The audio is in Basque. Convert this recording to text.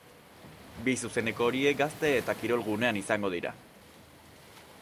Bi zuzeneko horiek gazte eta kirol gunean izango dira.